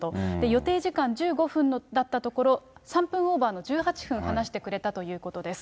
予定時間１５分だったところ、３分オーバーの１８分話してくれたということです。